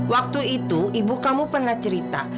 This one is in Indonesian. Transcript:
waktu itu ibu kamu pernah cerita